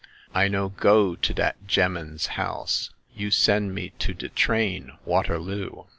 I no go to dat gem'man's house. You send me to de train Waterloo